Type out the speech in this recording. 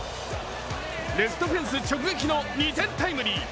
レフトフェンス直撃の２点タイムリー。